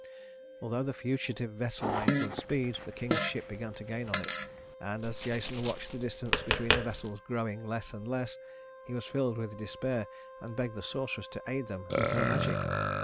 Although the fugitive vessel made good speed, the king's ship began to gain on it; and as Jason watched the distance between the vessels growing less and less, he was filled with despair and begged the sorceress to aid them with her magic.